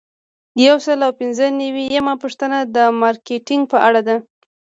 یو سل او پنځه نوي یمه پوښتنه د مارکیټینګ په اړه ده.